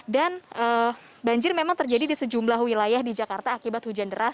dan banjir memang terjadi di sejumlah wilayah di jakarta akibat hujan deras